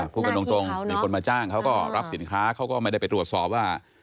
พูดกันตรงมีคนมาจ้างเขาก็รับสินค้าเขาก็ไม่ได้ไปตรวจสอบว่า